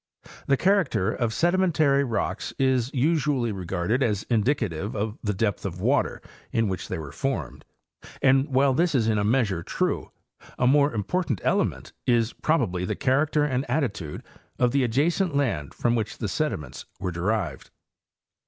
The character of sedimentary rocks is usually regarded as indicative of the depth of water in which they were formed, and while this is in a measure true, a. more important element is probably the character and attitude of the adjacent land from which the sediments were derived.